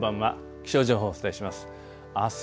気象情報をお伝えします。